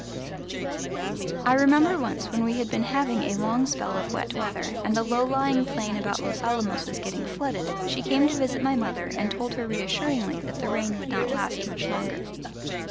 I remember once when we had been having a long spell of wet weather, and the low lying plain about Los Alamos was getting flooded, she came to visit my mother and told her reassuringly that the rain would not last much longer.